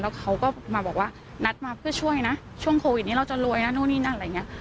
เขาก็มาบอกว่านัดมาเพื่อช่วยนะช่วงโควิดนี้เราจะรวยนะนู่นนี่นั่นอะไรอย่างนี้